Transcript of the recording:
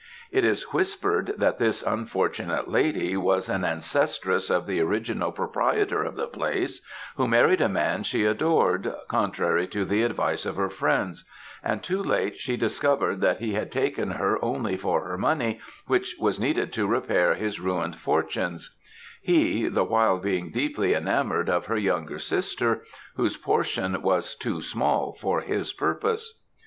"It is whispered that this unfortunate lady was an ancestress of the original proprietor of the place, who married a man she adored, contrary to the advice of her friends; and too late she discovered that he had taken her only for her money, which was needed to repair his ruined fortunes; he, the while being deeply enamoured of her younger sister, whose portion was too small for his purpose.